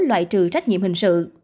loại trừ trách nhiệm hình sự